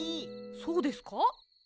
そうですか？